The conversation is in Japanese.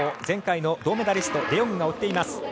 前回の銅メダリストデヨングが追っています。